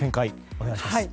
お願いします。